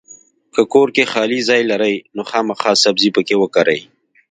کۀ کور کې خالي ځای لرئ نو خامخا سبزي پکې وکرئ!